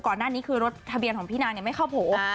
ก่อนหน้านี้รถถบของพี่นางยังไม่เข้าโผล่